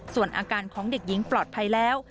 ส่วนอาการของเด็กหญิงปลอดภัยแล้ว